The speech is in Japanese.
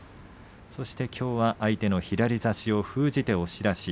そしてきょうは相手の左差しを封じて押し出し。